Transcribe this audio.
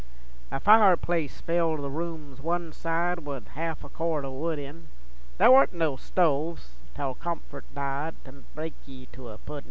A fireplace filled the room's one side With half a cord o' wood in There warn't no stoves (tell comfort died) To bake ye to a puddin'.